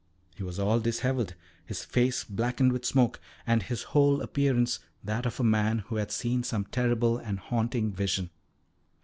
He was all dishevelled, his face blackened with smoke, and his whole appearance that of a man who had seen some terrible and haunting vision.